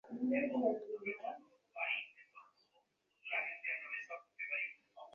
এই মতে বৌদ্ধদের মত খণ্ডিত হইবে।